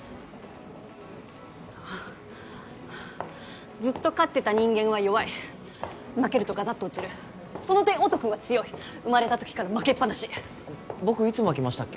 ああずっと勝ってた人間は弱い負けるとガタッと落ちるその点音くんは強い生まれた時から負けっぱなし僕いつ負けましたっけ？